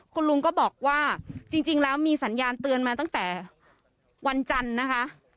คุณลุงก็บอกว่าจริงแล้วมีสัญญาณเตือนมาตั้งแต่วันจันทร์นะคะ